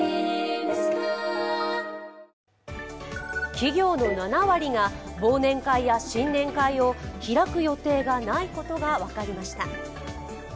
企業の７割が忘年会や新年会を開く予定がないことが分かりました。